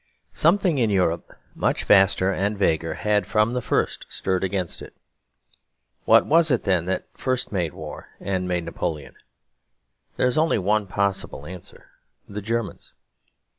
Something in Europe much vaster and vaguer had from the first stirred against it. What was it then that first made war and made Napoleon? There is only one possible answer: the Germans.